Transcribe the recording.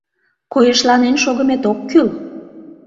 Койышланен шогымет ок кӱл...